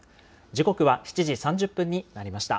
時刻は７時３０分になりました。